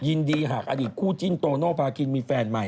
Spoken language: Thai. ยินดีหากอดีตคู่จิ้นโตโนภาคินมีแฟนใหม่